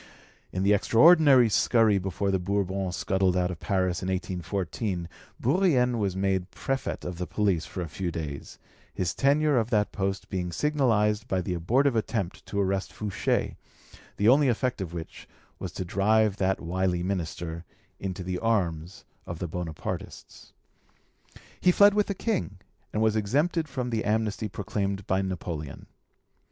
In the extraordinary scurry before the Bourbons scuttled out of Paris in 1814, Bourrienne was made Prefet of the Police for a few days, his tenure of that post being signalised by the abortive attempt to arrest Fouché, the only effect of which was to drive that wily minister into the arms of the Bonapartists. He fled with the King, and was exempted from the amnesty proclaimed by Napoleon.